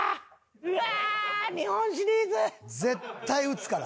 うわー！日本シリーズ。絶対打つから。